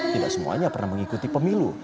tidak semuanya pernah mengikuti pemilu